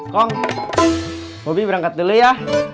kong hobi berangkat dulu ya